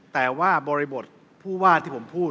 แต่ว่าบริบทผู้ว่าที่ผมพูด